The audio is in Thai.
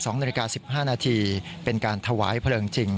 ๒นาฬิกา๑๕นาทีเป็นการถวายเพลิงจริง